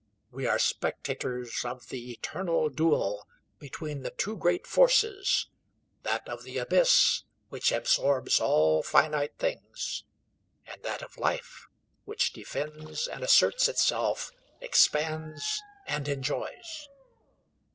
We are spectators of the eternal duel between the two great forces, that of the abyss which absorbs all finite things, and that of life which defends and asserts itself, expands, and enjoys.